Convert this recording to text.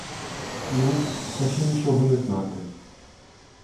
Ну, та ще нічого не знати.